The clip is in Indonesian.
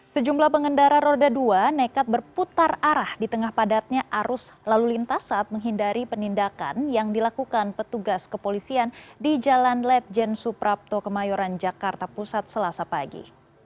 sejumlah pengendara roda dua nekat berputar arah di tengah padatnya arus lalu lintas saat menghindari penindakan yang dilakukan petugas kepolisian di jalan ledjen suprapto kemayoran jakarta pusat selasa pagi